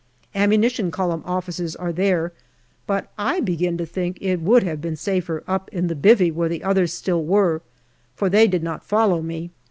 Ammunition Column Officers are there, but I begin to think it would have been safer up in the " bivvy," where the others still were, for they did not follow me.